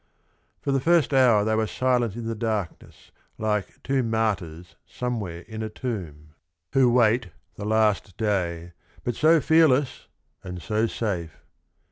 For the first hour they were silent in the dark ness, like "two martyrs somewhere in a tomb" CAPONSACCHI 85 who wait "the last day, but so fearless and so safe."